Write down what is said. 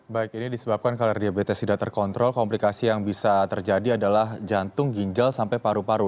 baik ini disebabkan kalau diabetes tidak terkontrol komplikasi yang bisa terjadi adalah jantung ginjal sampai paru paru